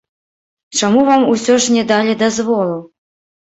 Чаму вам усё ж не далі дазволу?